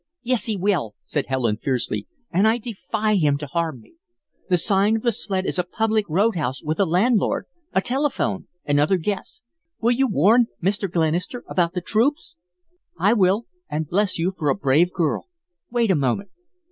"Yes, he will," said Helen, fiercely, "and I defy him to harm me. The Sign of the Sled is a public roadhouse with a landlord, a telephone, and other guests. Will you warn Mr. Glenister about the troops?" "I will, and bless you for a brave girl. Wait a moment."